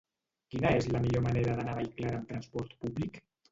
Quina és la millor manera d'anar a Vallclara amb trasport públic?